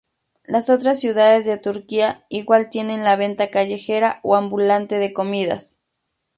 Las otras ciudades de Turquía igual tienen la venta callejera o ambulante de comidas.